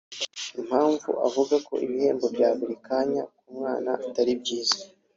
Impamvu avuga ko ibihembo bya buri kanya ku mwana atari byiza